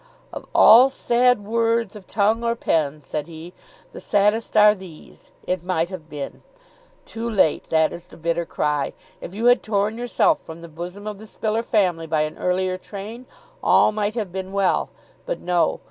"Of all sad words of tongue or pen," said he, "the saddest are these: 'It might have been.' Too late! That is the bitter cry. If you had torn yourself from the bosom of the Spiller family by an earlier train, all might have been well. But no.